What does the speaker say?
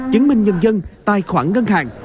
chứng minh nhân dân tài khoản ngân hàng